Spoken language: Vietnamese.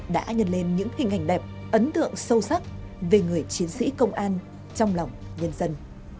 đã nhân lên những hình ảnh đẹp ấn tượng sâu sắc về người chiến sĩ công an trong lòng nhân dân